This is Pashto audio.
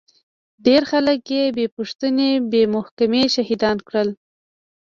ډېر خلک يې بې پوښتنې بې محکمې شهيدان کړل.